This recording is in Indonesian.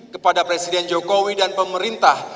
kepada presiden jokowi dan pemerintah